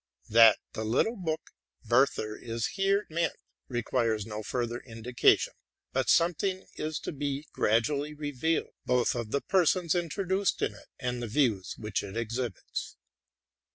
That the little book '* Werther'' is here mesut, requires no further indica tion; but something is to be gradually revealed, both of the persons introduced in it and the views which it exhibits.